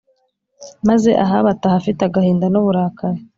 maze ahabu ataha afite agahinda n uburakari